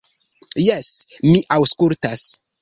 Jes, mi aŭskultas.